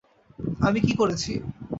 আমি কী করেছি?